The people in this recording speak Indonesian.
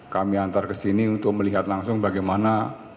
kami antar ke sini untuk melihat langsung bagaimana